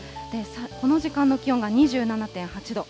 この時間の気温が２７．８度。